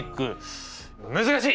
難しい！